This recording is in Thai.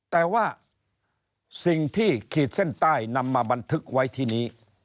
แต่ว่าสิ่งที่ขีดเส้นใต้นำมาบันทึกไว้ที่นี้